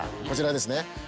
こちらですね